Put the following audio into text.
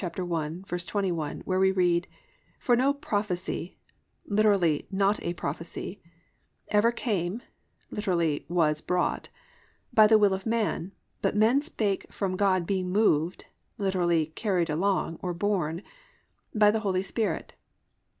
1:21 where we read: +"For no prophecy+ (literally, not a prophecy) +ever came+ (literally, was brought) +by the will of man; but men spake from God being moved+ (literally, carried along, or borne) +by the Holy Spirit."